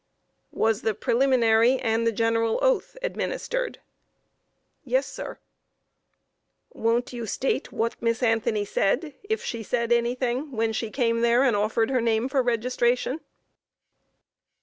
Q. Was the preliminary and the general oath administered? A. Yes, sir. Q. Won't you state what Miss Anthony said, if she said anything, when she came there and offered her name for registration?